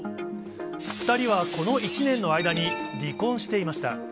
２人はこの１年の間に離婚していました。